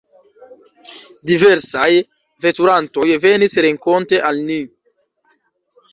Diversaj veturantoj venis renkonte al ni.